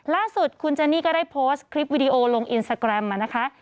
ล่าสุดคุณเจนี่ก็ได้โพสต์คลิปวิดีโอลงอินสตาแกรมมานะคะ